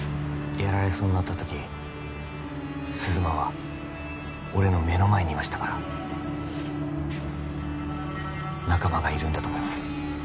やられそうになった時鈴間は俺の目の前にいましたから仲間がいるんだと思います